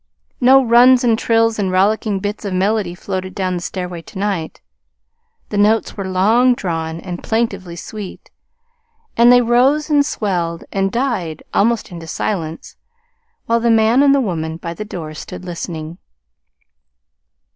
No runs and trills and rollicking bits of melody floated down the stairway to night. The notes were long drawn, and plaintively sweet; and they rose and swelled and died almost into silence while the man and the woman by the door stood listening.